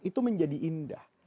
itu menjadi indah